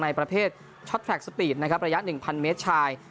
ประเภทช็อตแทรคสปีดนะครับระยะ๑๐๐เมตรชาย